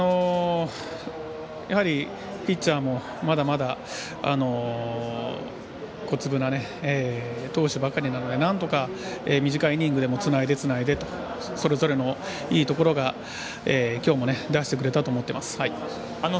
やはりピッチャーもまだまだ小粒な投手ばかりなのでなんとか短いイニングでもつないで、つないでとそれぞれのいいところがきょうも出してくれたと思ってます。